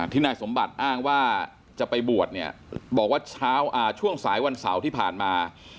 นายสมบัติอ้างว่าจะไปบวชเนี่ยบอกว่าเช้าช่วงสายวันเสาร์ที่ผ่านมา